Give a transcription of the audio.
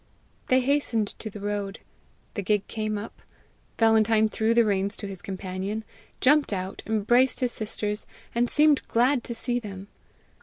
They hastened to the road. The gig came up. Valentine threw the reins to his companion, jumped out, embraced his sisters, and seemed glad to see them.